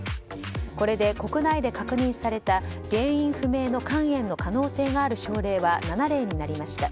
これで国内で確認された原因不明の肝炎の可能性がある症例は７例になりました。